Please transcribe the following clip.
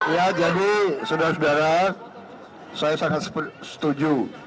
ya jadi saudara saudara saya sangat setuju